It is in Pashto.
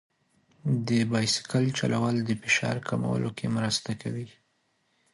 د بایسکل چلول د فشار کمولو کې مرسته کوي.